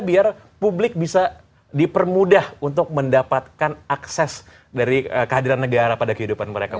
biar publik bisa dipermudah untuk mendapatkan akses dari kehadiran negara pada kehidupan mereka